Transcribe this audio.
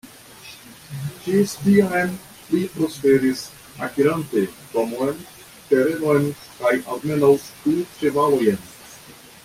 Ĝis tiam li prosperis, akirante domon, terenon kaj almenaŭ du ĉevalojn.